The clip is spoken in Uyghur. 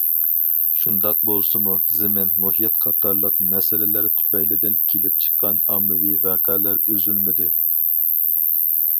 شۇنداق بولسىمۇ، زېمىن، مۇھىت قاتارلىق مەسىلىلەر تۈپەيلىدىن كېلىپ چىققان ئاممىۋى ۋەقەلەر ئۈزۈلمىدى.